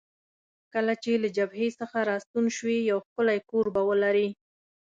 کله چې له جبهې څخه راستون شوې، یو ښکلی کور به ولرې.